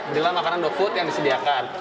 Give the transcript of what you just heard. inilah makanan do food yang disediakan